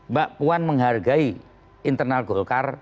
mbak puan menghargai internal golkar